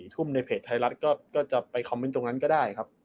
ทุ่มในเพจไทยรัฐก็จะไปคอมเมนต์ตรงนั้นก็ได้ครับ